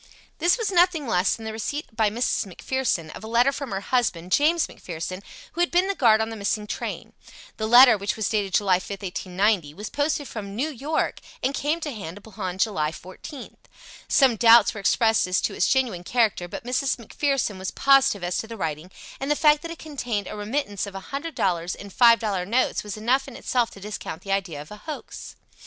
This was nothing less than the receipt by Mrs. McPherson of a letter from her husband, James McPherson, who had been the guard on the missing train. The letter, which was dated July 5th, 1890, was posted from New York and came to hand upon July 14th. Some doubts were expressed as to its genuine character but Mrs. McPherson was positive as to the writing, and the fact that it contained a remittance of a hundred dollars in five dollar notes was enough in itself to discount the idea of a hoax.